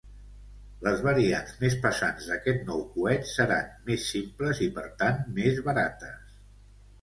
Les variants més pesants d'aquest nou coet seran més simples i per tant, més barates.